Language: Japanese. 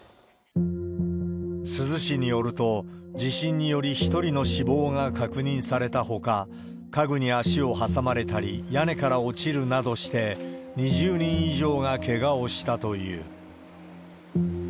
珠洲市によると、地震により１人の死亡が確認されたほか、家具に足を挟まれたり、屋根から落ちるなどして、２０人以上がけがをしたという。